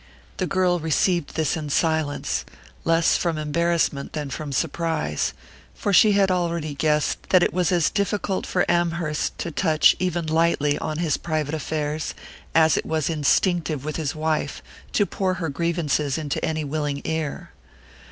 The girl received this in silence, less from embarrassment than from surprise; for she had already guessed that it was as difficult for Amherst to touch, even lightly, on his private affairs, as it was instinctive with his wife to pour her grievances into any willing ear.